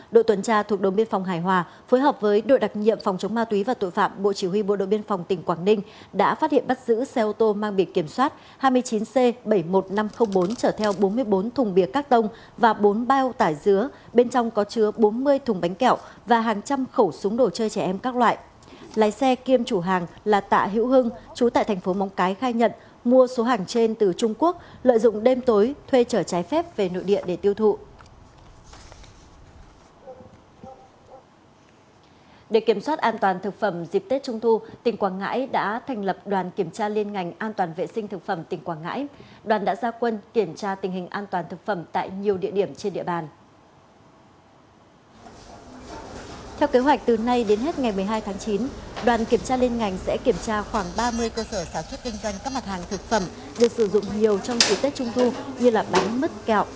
đoàn kiểm tra lên ngành sẽ kiểm tra khoảng ba mươi cơ sở sản xuất kinh doanh các mặt hàng thực phẩm được sử dụng nhiều trong kỷ tế trung thu như là bánh mứt kẹo